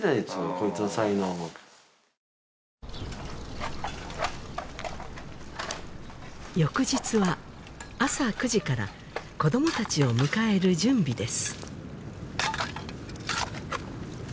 こいつの才能を翌日は朝９時から子どもたちを迎える準備です